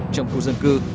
trong khu dân cư